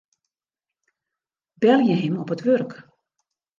Belje him op it wurk.